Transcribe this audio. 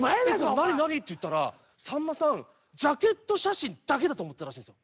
「何？何？」って言ったらさんまさんジャケット写真だけだと思ってたらしいんですよ。